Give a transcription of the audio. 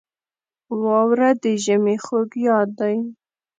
• واوره د ژمي خوږ یاد دی.